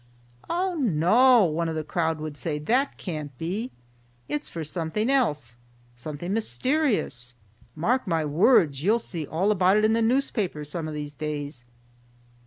"Oh, no!" one of the crowd would say, "that can't be. It's for something else—something mysterious. Mark my words, you'll see all about it in the newspapers some of these days."